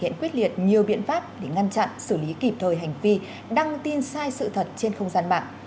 thực hiện quyết liệt nhiều biện pháp để ngăn chặn xử lý kịp thời hành vi đăng tin sai sự thật trên không gian mạng